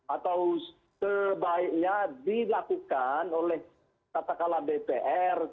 atau sebaiknya dilakukan oleh katakanlah dpr